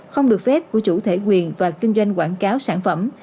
không được phép của chủ thể quyền và kinh doanh quảng cáo sản phẩm